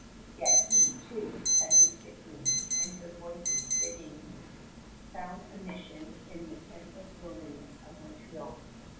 Yet he, too, had mystic dreams and heard voices bidding him found a mission in the tenantless wilderness of Montreal.